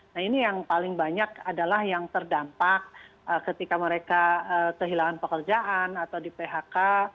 nah ini yang paling banyak adalah yang terdampak ketika mereka kehilangan pekerjaan atau di phk